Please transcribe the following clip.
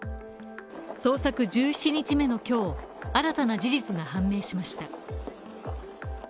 捜索１７日目の今日、新たな事実が判明しました。